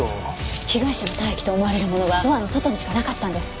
被害者の体液と思われるものがドアの外にしかなかったんです。